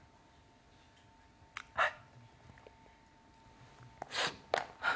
はい。